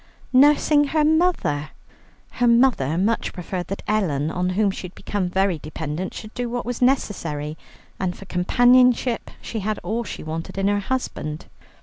Nursing her mother? Her mother much preferred that Ellen, on whom she had become very dependent, should do what was necessary, and for companionship she had all she wanted in her husband.